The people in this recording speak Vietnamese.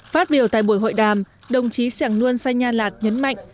phát biểu tại buổi hội đàm đồng chí sẻn nguồn sai nha lạt nhấn mạnh